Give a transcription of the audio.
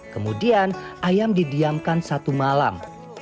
kemudian ayam didiamkan satu malam